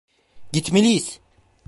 Gitmeliyiz!